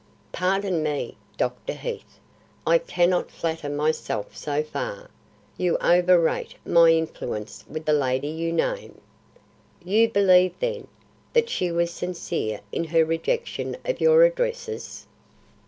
"Pardon me, Dr. Heath; I cannot flatter myself so far. You overrate my influence with the lady you name." "You believe, then, that she was sincere in her rejection of your addresses?"